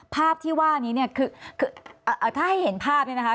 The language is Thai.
ภาพที่ว่านี้คือถ้าให้เห็นภาพนี้นะคะ